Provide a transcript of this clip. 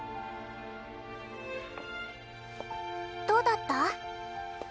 どうだった？